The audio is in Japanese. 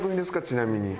ちなみに。